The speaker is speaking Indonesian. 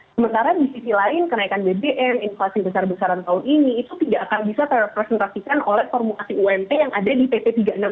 sementara di sisi lain kenaikan bbm inflasi besar besaran tahun ini itu tidak akan bisa terpresentasikan oleh formulasi ump yang ada di pp tiga puluh enam